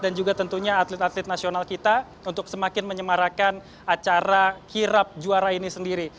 dan tentunya atlet atlet nasional kita untuk semakin menyemarakan acara kirap juara ini sendiri